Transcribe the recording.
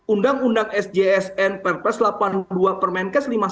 undang undang sjsn perpres delapan puluh dua permenkes lima puluh satu